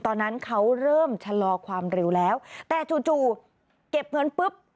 ตอนนั้นเขาเริ่มชะลอความเร็วแล้วแต่จู่จู่เก็บเงินปุ๊บ